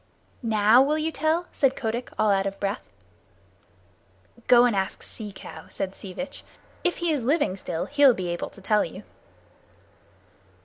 "Now will you tell?" said Kotick, all out of breath. "Go and ask Sea Cow," said Sea Vitch. "If he is living still, he'll be able to tell you."